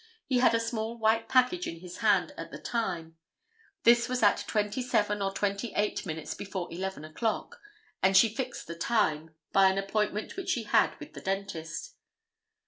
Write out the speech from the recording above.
He had a small white package in his hand at the time. This was at twenty seven or twenty eight minutes before 11 o'clock, and she fixed the time, by an appointment which she had with the dentist.